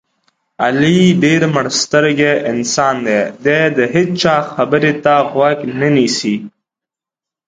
علي ډېر مړسترګی انسان دی دې هېچا خبرې ته غوږ نه نیسي.